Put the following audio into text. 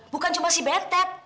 bukan cuma si betet